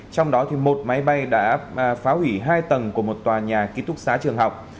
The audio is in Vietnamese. trong đó một máy bay đã phá hủy hai tầng của một tòa nhà ký túc xá trường học